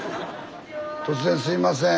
突然すいません。